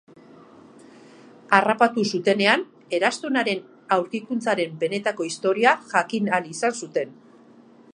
Harrapatu zutenean, Eraztunaren aurkikuntzaren benetako historia jakin ahal izan zuten.